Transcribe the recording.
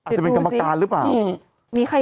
จะเป็นกรรมการหรือเปล่า